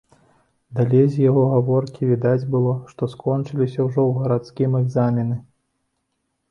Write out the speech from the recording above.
Далей з яго гаворкі відаць было, што скончыліся ўжо ў гарадскім экзамены.